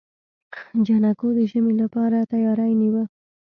جانکو د ژمي لپاره تياری نيوه.